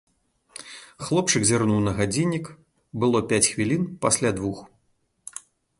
Хлопчык зірнуў на гадзіннік, было пяць хвілін пасля двух.